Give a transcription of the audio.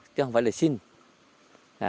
chứ không phải là xin